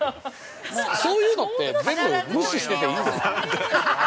◆そういうのって全部無視してていいの？